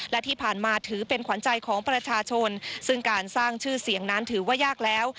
และที่ผ่านมาถือเป็นขวัญใจของประชาชนซึ่งการสร้างชื่อเสียงนั้นถือว่ายากแล้ว